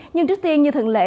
nhưng trước tiên như thường lệ